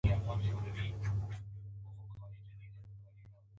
د افغانستان جغرافیه کې سیلاني ځایونه ستر اهمیت لري.